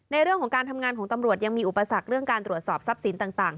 ในเรื่องของการทำงานของตำรวจยังมีอุปสรรคเรื่องการตรวจสอบทรัพย์สินต่าง